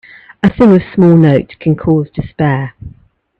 A thing of small note can cause despair.